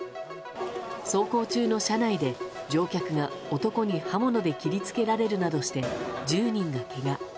走行中の車内で、乗客が男に刃物で切り付けられるなどして１０人がけが。